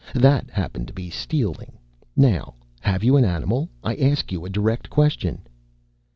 That happened to be stealing. Now have you an animal? I ask you a direct question."